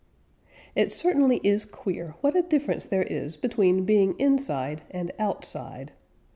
_ It certainly is queer what a difference there is between being inside and outside.